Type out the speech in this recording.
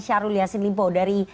syahrul yassin limpo dari